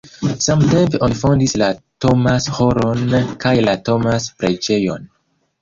Samtempe oni fondis la Thomas-ĥoron kaj la Thomas-preĝejon.